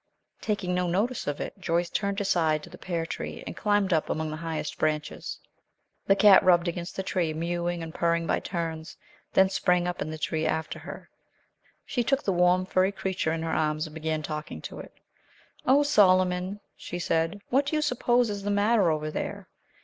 Taking no notice of it, Joyce turned aside to the pear tree and climbed up among the highest branches. The cat rubbed against the tree, mewing and purring by turns, then sprang up in the tree after her. She took the warm, furry creature in her arms and began talking to it. "Oh, Solomon," she said, "what do you suppose is the matter over there?